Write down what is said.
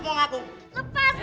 diam mana ada penyusup mau ngaku